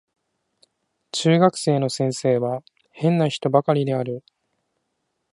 中学校の先生は変な人ばかりである